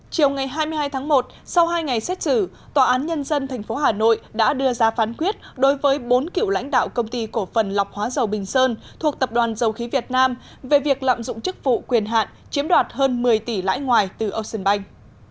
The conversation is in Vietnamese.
chiều ngày hai mươi hai tháng một sau hai ngày xét xử tòa án nhân dân tp hà nội đã đưa ra phán quyết đối với bốn cựu lãnh đạo công ty cổ phần lọc hóa dầu bình sơn thuộc tập đoàn dầu khí việt nam về việc lạm dụng chức vụ quyền hạn chiếm đoạt hơn một mươi tỷ lãi ngoài từ ocean bank